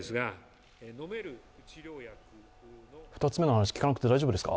２つ目の話、聞かなくて大丈夫ですか。